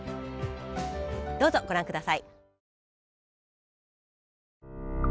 どうぞご覧ください。